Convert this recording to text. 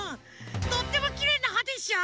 とってもきれいなはでしょ？